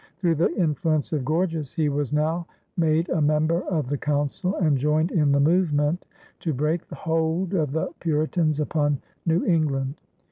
Through the influence of Gorges, he was now made a member of the Council and joined in the movement to break the hold of the Puritans upon New England.